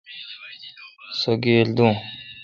سو گیل دو۔